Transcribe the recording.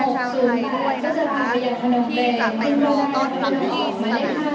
บหนจืนเจอกันไปถ่ายแสดงใจกันได้